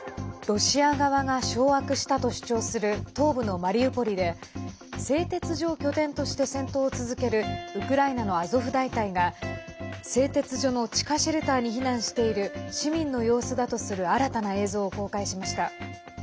ロシア側が掌握したと主張する東部のマリウポリで製鉄所を拠点として戦闘を続けるウクライナのアゾフ大隊が製鉄所の地下シェルターに避難している市民の様子だとする新たな映像を公開しました。